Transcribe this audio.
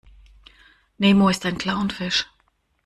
Nemo ist ein Clownfisch.